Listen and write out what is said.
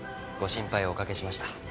ご心配おかけしました。